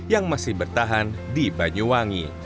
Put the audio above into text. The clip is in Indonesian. yang masih bertahan di banyuwangi